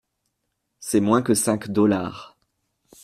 C’est moins que cinq dollars.